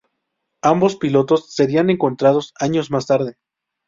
Ambos pilotos serian encontrados años más tarde.